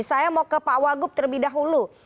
saya mau ke pak wagub terlebih dahulu